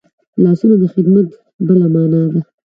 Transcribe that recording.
لاسونه د خدمت بله مانا ده